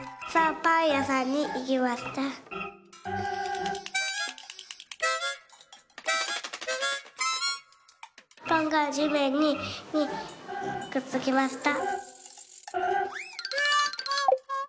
「パンがじめんにくっつきました」。